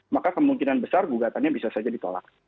maka kemungkinan besar gugatannya bisa saja ditolak